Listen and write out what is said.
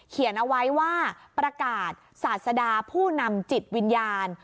เขียนเอาไว้ว่าประกาศศาสดาผู้นำจิตวิญญาณ